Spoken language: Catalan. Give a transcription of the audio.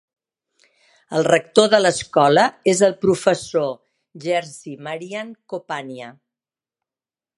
El rector de l'escola és el professor Jerzy Marian Kopania.